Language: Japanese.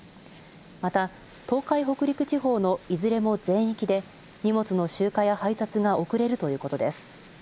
また東海、北陸地方のいずれも全域で荷物の集荷や配達が遅れるということです。